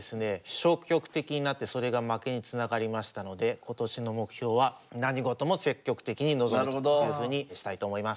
消極的になってそれが負けにつながりましたので今年の目標は何事も積極的に臨むというふうにしたいと思います。